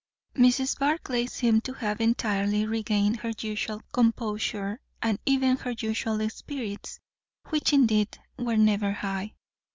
Mrs. Barclay seemed to have entirely regained her usual composure and even her usual spirits, which indeed were never high.